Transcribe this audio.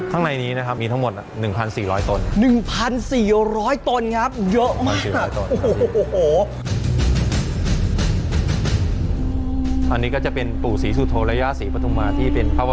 ข้างในนี้นะครับมีทั้งหมด๑๔๐๐ต้น